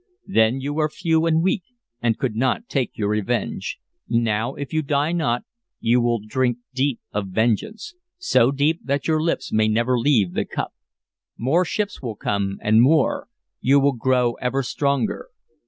Then you were few and weak, and could not take your revenge. Now, if you die not, you will drink deep of vengeance, so deep that your lips may never leave the cup. More ships will come, and more; you will grow ever stronger.